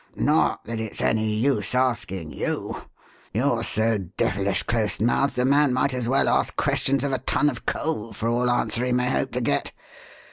Not that it's any use asking you. You're so devilish close mouthed a man might as well ask questions of a ton of coal for all answer he may hope to get.